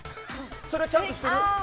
それはちゃんとしてる？